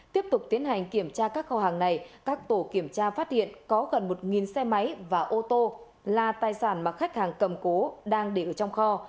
tiếp tục tiến hành kiểm tra các kho hàng này các tổ kiểm tra phát hiện có gần một xe máy và ô tô là tài sản mà khách hàng cầm cố đang để ở trong kho